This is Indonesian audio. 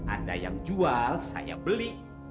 ada yang jual saya beli